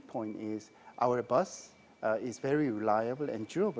truk kami sangat berkelanjutan dan berlaku